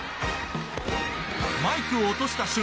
マイクを落とした瞬間